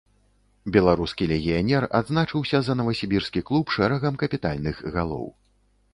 Беларускі легіянер адзначыўся за навасібірскі клуб шэрагам капітальных галоў.